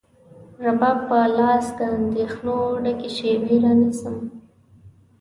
رباب په لاس، د اندېښنو ډکې شیبې رانیسم